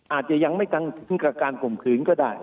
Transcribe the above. อาจจะยังไม่กับการข่มขืนก็ได้